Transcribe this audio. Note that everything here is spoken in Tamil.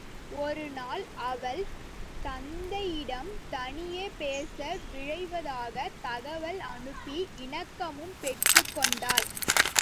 ஒரு நாள், அவள் தந்தையிடம் தனியே பேச விழைவதாகத் தகவல் அனுப்பி இணக்கமும் பெற்றுக்கொண்டாள்.